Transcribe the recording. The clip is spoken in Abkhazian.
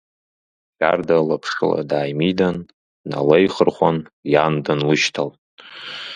Шьарда лаԥшыла дааимидан, дналеихырхәан, иан дынлышьҭалт…